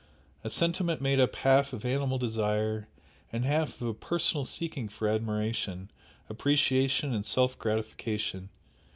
a sentiment made up half of animal desire and half of a personal seeking for admiration, appreciation and self gratification!